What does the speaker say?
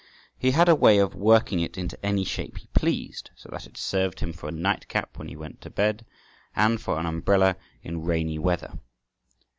He had a way of working it into any shape he pleased, so that it served him for a nightcap when he went to bed, and for an umbrella in rainy weather.